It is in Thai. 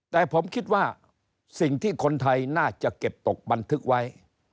แต่ผมคิดว่าสิ่งที่คนไทยน่าจะเก็บตกบันทึกไว้